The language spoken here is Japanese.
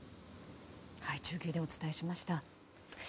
中継でお伝えしました。